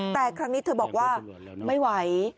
แต่ครั้งนี้เธอบอกว่าไม่ไหว